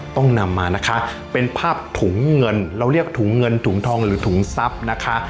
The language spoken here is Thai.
ต้องนำมานะคะเป็นภาพถุงเงินเราเรียกถุงเงินถุงทองหรือถุงทรัพย์นะคะ